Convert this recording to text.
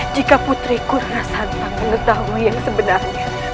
jika putriku larasantang mengetahui yang sebenarnya